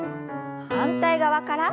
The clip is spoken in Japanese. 反対側から。